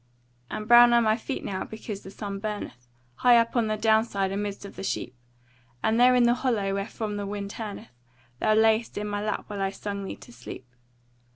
And brown are my feet now because the sun burneth High up on the down side amidst of the sheep, And there in the hollow wherefrom the wind turneth, Thou lay'st in my lap while I sung thee to sleep.